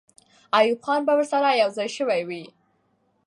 ایوب خان به ورسره یو ځای سوی وي.